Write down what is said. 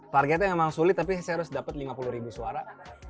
targetnya memang sulit tapi saya harus dapat lima puluh ribu suara